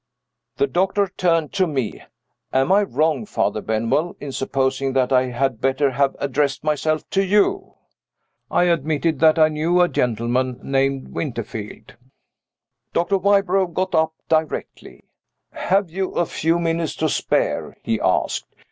The doctor turned to me. "Am I wrong, Father Benwell, in supposing that I had better have addressed myself to you?" I admitted that I knew a gentleman named Winterfield. Dr. Wybrow got up directly. "Have you a few minutes to spare?" he asked.